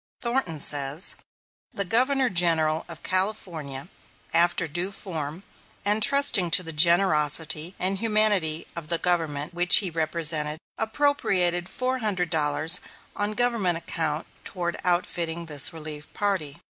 Thornton says: The Governor General of California, after due form, and trusting to the generosity and humanity of the Government which he represented, appropriated four hundred dollars on Government account toward outfitting this relief party.